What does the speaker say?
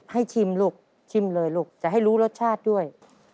ชิมลูกชิมเลยลูกจะให้รู้รสชาติด้วย